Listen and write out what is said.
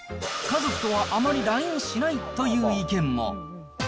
家族とはあまりＬＩＮＥしないという意見も。